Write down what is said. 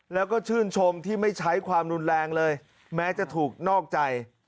แล้วก็ชื่นชมที่ไม่ใช้ความรุนแรงเลยแม้จะถูกนอกใจ